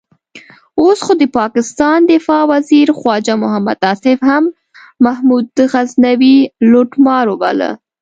اوس خو د پاکستان دفاع وزیر خواجه محمد آصف هم محمود غزنوي لوټمار وباله.